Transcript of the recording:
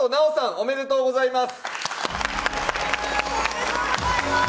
おめでとうございます！